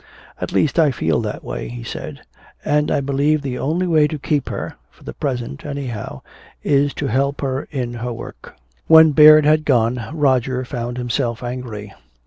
At least I feel that way," he said. "And I believe the only way to keep near her for the present, anyhow is to help her in her work." When Baird had gone, Roger found himself angry.